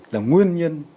là nguyên nhân